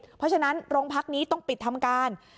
เพราะฉะนั้นโรงพักนี้ต้องปิดทำการ